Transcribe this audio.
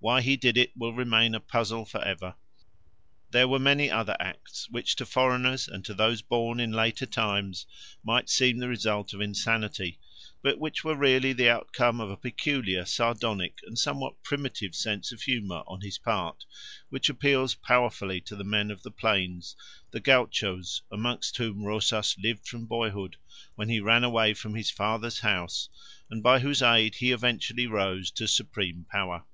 Why he did it will remain a puzzle for ever. There were many other acts which to foreigners and to those born in later times might seem the result of insanity, but which were really the outcome of a peculiar, sardonic, and somewhat primitive sense of humour on his part which appeals powerfully to the men of the plains, the gauchos, among whom Rosas lived from boyhood, when he ran away from his father's house, and by whose aid he eventually rose to supreme power.